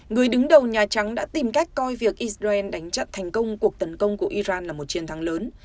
người đứng đầu nhà trắng đã tìm cách coi việc israel đánh chặn thành công cuộc tấn công của iran là một chiến thắng lớn